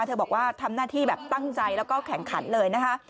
บอกว่าทำหน้าที่แบบตั้งใจแล้วก็แข่งขันเลยนะคะ